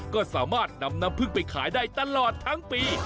ก็สามารถนำน้ำพึ่งไปขายได้ตลอดทั้งปี